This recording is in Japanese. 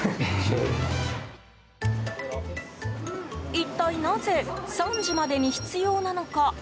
一体なぜ３時までに必要なのか？